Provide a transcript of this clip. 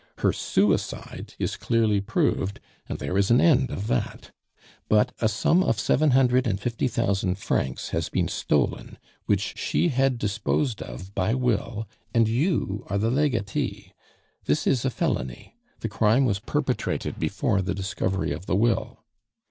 Her suicide is clearly proved, and there is an end of that; but a sum of seven hundred and fifty thousand francs has been stolen, which she had disposed of by will, and you are the legatee. This is a felony. The crime was perpetrated before the discovery of the will.